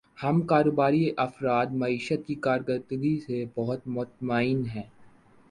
ہم کاروباری افراد معیشت کی کارکردگی سے بہت مطمئن ہیں